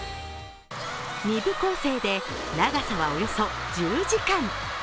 ２部攻勢で長さはおよそ１０時間。